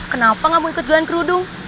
kenapa nggak mau ikut jualan kerudung